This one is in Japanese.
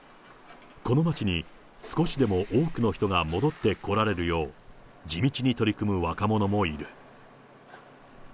この町に、少しでも多くの人が戻ってこられるよう、地道に取り組む若者もいる。